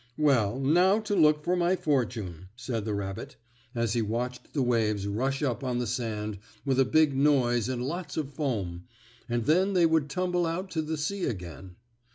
"Well, now to look for my fortune," said the rabbit, as he watched the waves rush up on the sand with a big noise and lots of foam, and then they would tumble out to the sea again.